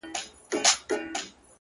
اې ه څنګه دي کتاب له مخه ليري کړم ـ